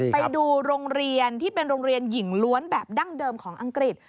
ไปดูโรงเรียนที่เป็นโรงเรียนหญิงล้วนแบบดั้งเดิมของอังกฤษ